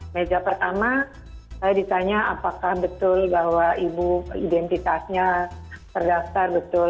meja pertama saya ditanya apakah betul bahwa ibu identitasnya terdaftar betul